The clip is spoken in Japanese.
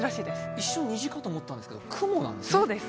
一瞬虹かと思ったんですけど、雲なんですね？